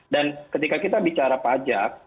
dan ketika kita bicara pajak